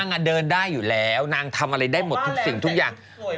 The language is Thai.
เดินได้อยู่แล้วนางทำอะไรได้หมดทุกสิ่งทุกอย่าง